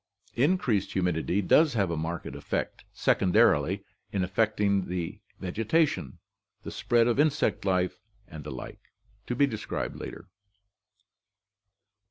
Increased humidity does have a marked effect second arily in affecting the vegetation, the spread of insect life, and the like, to be described below.